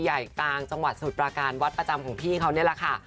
ใหญ่กลางจังหวัดสมุทรปราการวัดประจำของพี่เขานี่แหละค่ะ